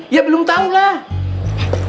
ya belum tau lah